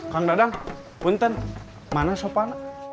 kang dadang bunten mana sofa anak